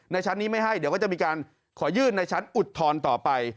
ชั้นนี้ไม่ให้เดี๋ยวก็จะมีการขอยื่นในชั้นอุทธรณ์ต่อไป